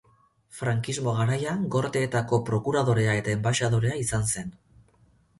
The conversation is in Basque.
Frankismo garaian, Gorteetako prokuradorea eta enbaxadorea izan zen.